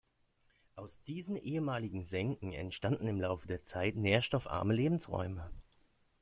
Aus diesen ehemaligen Senken entstanden im Laufe der Zeit nährstoffarme Lebensräume.